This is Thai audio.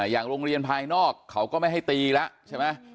อย่างโรงเรียนภายนอกเขาก็ไม่ให้ตีแล้วใช่ไหม